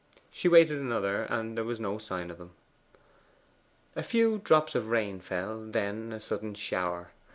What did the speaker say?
She waited another, and there was no sign of him. A few drops of rain fell, then a sudden shower.